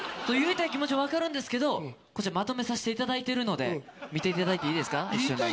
言いたい気持ちは分かるんですけど、こちら、まとめさせていただいているので、見ていただいていいですか、一緒に。